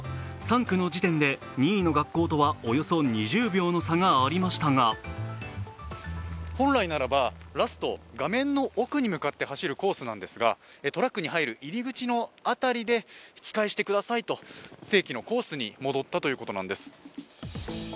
３区の時点で２位の学校とはおよそ２０秒の差がありましたが本来ならばラスト、画面の奥に向かって走るコースなんですが、トラックに入る入り口のあたりで引き返してくださいと正規のコースに戻ったということなんです。